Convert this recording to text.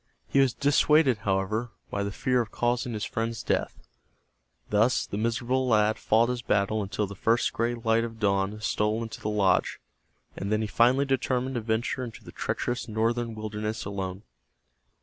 He was dissuaded, however, by the fear of causing his friend's death. Thus the miserable lad fought his battle until the first gray light of dawn stole into the lodge, and then he finally determined to venture into the treacherous northern wilderness alone.